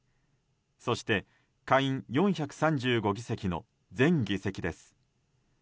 そして下院４３５議席の全議席です。